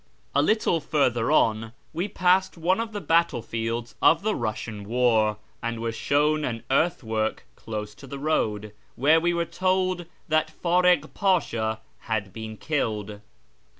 A little farther on we passed one of the battlefields of the Iiussian war, and were shown an earthwork close to the road, where we were told that F;irik Piishi'i had been killed.